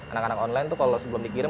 anak anak online tuh kalau sebelum dikirim